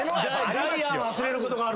ジャイアン忘れることあるんだ？